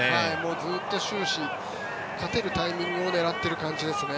ずっと終始勝てるタイミングを狙っている感じですね。